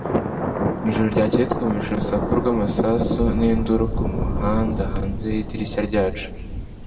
Mu ijoro ryakeye twumvise urusaku rw'amasasu n'induru ku muhanda hanze y'idirishya ryacu